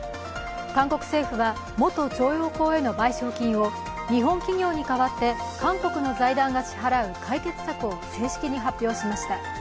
韓国政府は元徴用工への賠償金を日本企業に代わって韓国の財団が支払う解決策を正式に発表しました。